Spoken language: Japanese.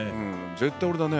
絶対俺だね。